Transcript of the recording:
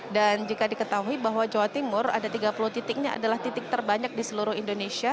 dan jika diketahui bahwa jawa timur ada tiga puluh titiknya adalah titik terbanyak di seluruh indonesia